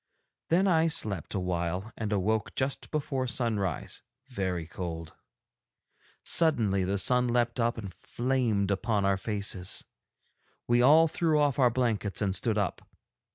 Then I slept awhile and awoke just before sunrise, very cold. Suddenly the sun leapt up and flamed upon our faces; we all threw off our blankets and stood up.